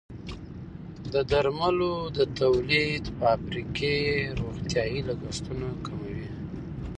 د درملو د تولید فابریکې روغتیايي لګښتونه کموي.